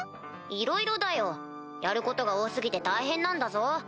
いろいろだよやることが多過ぎて大変なんだぞ？